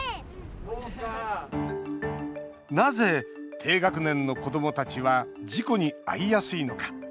なぜ低学年の子どもたちは事故に遭いやすいのか。